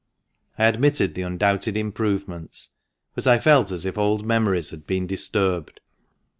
I admitted the undoubted improvements, but I felt as if old memories had been disturbed.